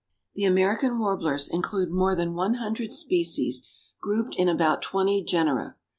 The American Warblers include more than one hundred species grouped in about twenty genera.